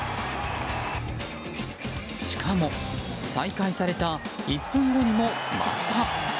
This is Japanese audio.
しかも再開された１分後にも、また。